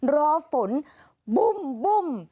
รอฝนบุ้ม